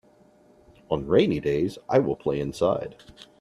On rainy days I will play inside.